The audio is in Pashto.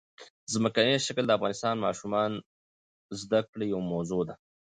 ځمکنی شکل د افغان ماشومانو د زده کړې یوه موضوع ده.